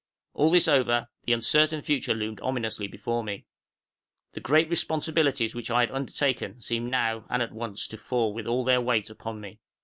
All this over, the uncertain future loomed ominously before me. The great responsibilities I had undertaken seemed now and at once to fall with all their weight upon me.